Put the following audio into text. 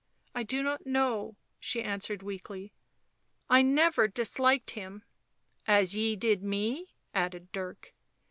" I do not know," she answered weakly, " I never disliked him." " As ye did me," added Dirk.